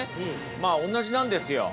まあおんなじなんですよ。